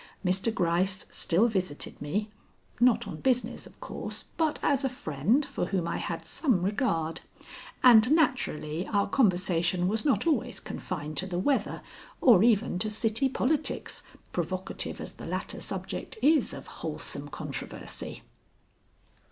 Mr. Gryce still visited me; not on business, of course, but as a friend, for whom I had some regard; and naturally our conversation was not always confined to the weather or even to city politics, provocative as the latter subject is of wholesome controversy.